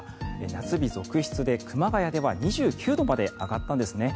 夏日続出で、熊谷では２９度まで上がったんですね。